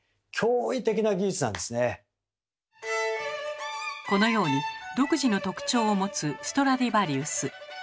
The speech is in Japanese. そのため我々このように独自の特徴を持つストラディヴァリウス。